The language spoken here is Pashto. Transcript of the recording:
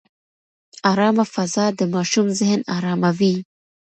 ارامه فضا د ماشوم ذهن اراموي.